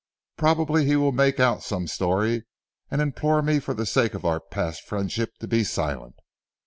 Probably he will make out some story and implore me for the sake of our past friendship to be silent.